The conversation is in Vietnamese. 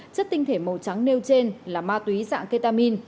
chất tinh thể màu trắng nêu trên là ma túy dạng ketamin